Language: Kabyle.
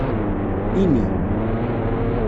Ini.